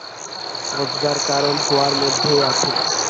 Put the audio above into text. পচবার কারণ হাওয়ার মধ্যেই আছে।